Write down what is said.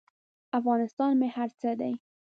افغانستان مې هر څه دی.